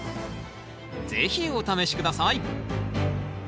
是非お試し下さい。